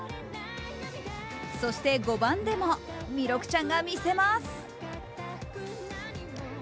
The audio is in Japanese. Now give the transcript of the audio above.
そして５番でも、弥勒ちゃんが見せます。